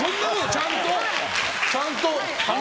ちゃんと。